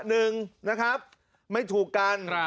หนึ่งนะครับไม่ถูกกัน